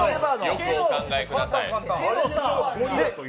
よくお考えください。